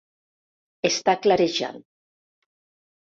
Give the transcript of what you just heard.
Està clarejant.